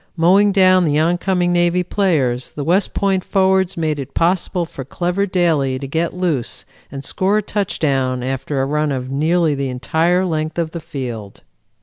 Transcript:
Mowing down the oncoming Navy players, the West Point forwards made it possible for clever Daly to get loose and score a touchdown after a run of nearly the entire length of the field.